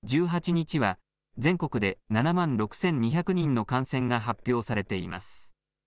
１８日は、全国で７万６２００人の感染が発表されています。